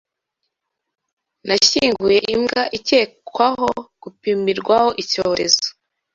Nashyinguye imbwa ikekwaho gupimirwaho icyorezo.